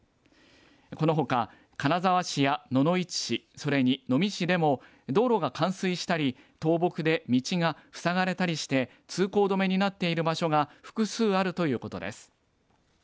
このほか金沢市や野々市市、それに能美市でも道路が冠水したり倒木で道が塞がれたりして通行止めになっている場所が複数あるということです。